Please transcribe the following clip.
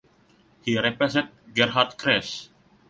He replaced Gerhard Kress.